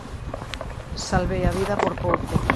Salvei a vida por pouco.